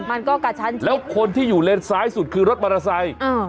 มันก็กัดทันแล้วคนที่อยู่เลนส์ซ้ายสุดคือรถมอเตอร์ไซค์